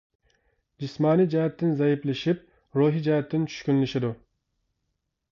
جىسمانىي جەھەتتىن زەئىپلىشىپ، روھىي جەھەتتىن چۈشكۈنلىشىدۇ.